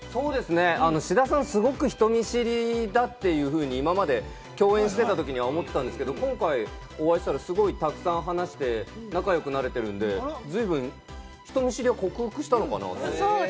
志田さん、すごく人見知りだっていうふうに今まで共演してた時に思ったんですけど、今回お会いしたら沢山話して仲良くなれてるんで、随分、人見知りは克服したのかな？